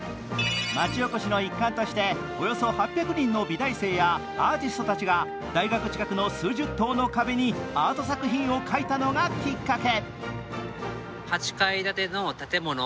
街おこしの一環としておよそ８００人の美大生やアーティストたちが大学近くの数十棟の壁にアート作品を描いたのがきっかけ。